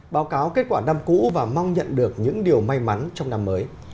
báo cáo kết quả năm cũ và mong nhận được những điều may mắn trong năm mới